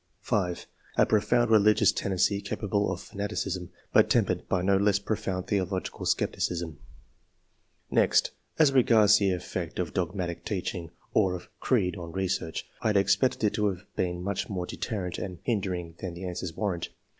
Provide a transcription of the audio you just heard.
5. '^A profound religious tendency, capable of fanati cism, but tempered by no less profound theological scepticism." II.] QUALITIES. 135 Next, as regards the effect of dogmatic teaching, or of '* creed/' on research. I had ex pected it to have been much more deterrent and hindering than the answers warrant.